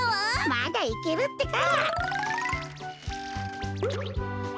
まだいけるってか！